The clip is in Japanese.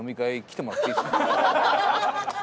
ハハハハ！